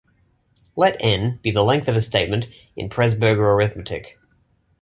Let "n" be the length of a statement in Presburger arithmetic.